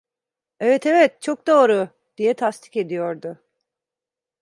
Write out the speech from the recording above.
Evet, evet, çok doğru! diye tasdik ediyordu.